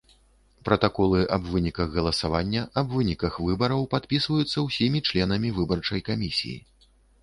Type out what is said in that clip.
Пратаколы аб выніках галасавання, аб выніках выбараў падпісваюцца ўсімі членамі выбарчай камісіі.